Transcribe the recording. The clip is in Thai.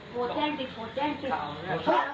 พี่แจงพี่ผู้ใหญ่ก่อน